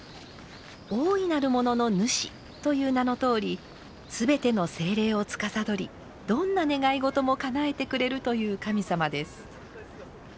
大いなる物の主という名のとおりすべての精霊をつかさどりどんな願い事もかなえてくれるという神様です。